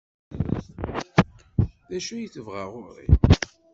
D acu ay tebɣa ɣer-i?